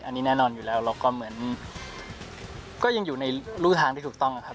อันนี้แน่นอนอยู่แล้วเราก็เหมือนก็ยังอยู่ในลูกทางที่ถูกต้อง